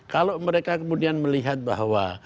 kalau mereka kemudian melihat bahwa